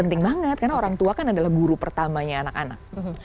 penting banget karena orang tua kan adalah guru pertamanya anak anak